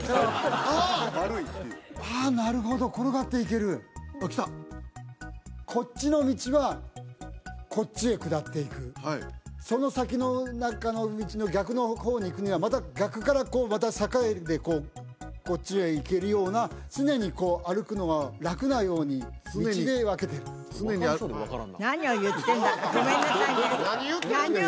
あなるほど転がっていけるあっきたこっちの道はこっちへ下っていくその先の中の道の逆の方に行くにはまた逆からまた坂でこうこっちへ行けるような常にこう歩くのが楽なように道で分けてる分かりそうで分からんなごめんなさいね何言ってるんですか？